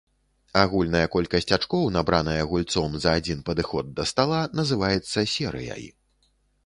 Агульная колькасць ачкоў, набраная гульцом за адзін падыход да стала, называецца серыяй.